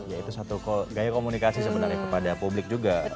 ya itu satu gaya komunikasi sebenarnya kepada publik juga